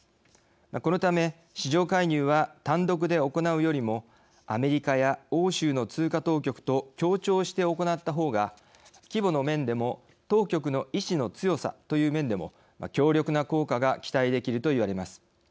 このため市場介入は単独で行うよりもアメリカや欧州の通貨当局と協調して行ったほうが規模の面でも当局の意思の強さという面でも強力な効果が期待できるといわれます。